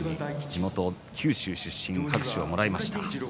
地元九州出身拍手をもらいました。